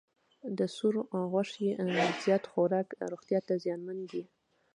د سور غوښې زیات خوراک روغتیا ته زیانمن دی.